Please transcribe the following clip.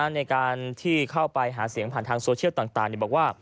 ในการที่เข้าไปหาเสียงผ่านทางโซเชียลต่างบอกว่า